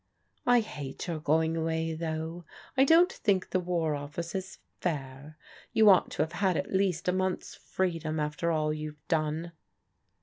" I hate your going away, though. I don't think the War Office is fair. You ought to have had at least a month's freedom after all you've done."